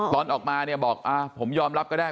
ตอนออกมาบอกผมยอมรับก็ได้